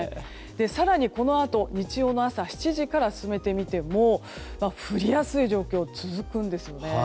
更に、このあと日曜の朝７時から進めて見ても降りやすい状況が続くんですね。